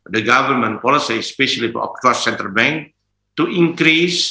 bagaimana polisi pemerintah terutama dari bank center of cost